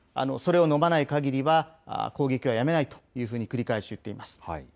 それをのまないかぎりは、攻撃はやめないというふうに繰り返し言っています。